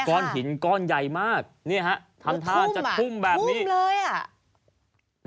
ก้อนหินก้อนใหญ่มากท่านท่านจะทุ่มแบบนี้